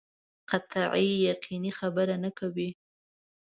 قطعي یقیني خبره نه کوي.